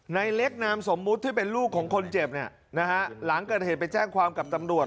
ในเล็กนามสมมุติที่เป็นลูกของคนเจ็บเนี่ยนะฮะหลังเกิดเหตุไปแจ้งความกับตำรวจ